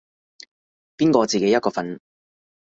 邊個自己一個瞓